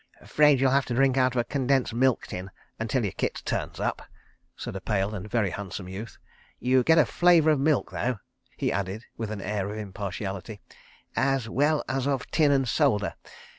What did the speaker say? "'Fraid you'll have to drink out of a condensed milk tin, until your kit turns up. .." said a pale and very handsome youth. "You get a flavour of milk, though," he added with an air of impartiality, "as well as of tin and solder.